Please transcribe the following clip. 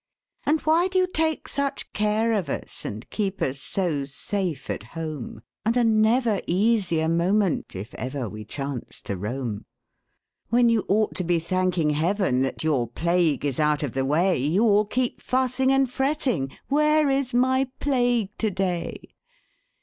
And why do you take such care of us, And keep us so safe at home, And are never easy a moment If ever we chance to roam? When you ought to be thanking Heaven That your plague is out of the way, You all keep fussing and fretting "Where is my Plague to day?"